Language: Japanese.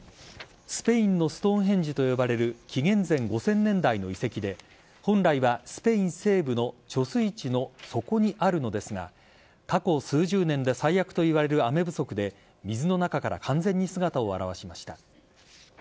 スペインのストーンヘンジと呼ばれる紀元前５０００年代の遺跡で本来はスペイン西部の貯水池の底にあるのですが過去数十年で最悪といわれる雨不足で水の中から完全に姿を現しました。